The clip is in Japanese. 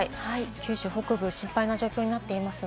九州北部、心配な状況になっています。